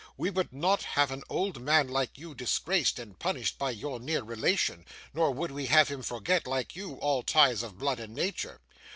We would not have an old man like you disgraced and punished by your near relation; nor would we have him forget, like you, all ties of blood and nature.